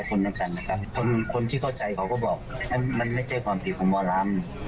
ปลาลูกชมลูกชิดอะไรก็ปลา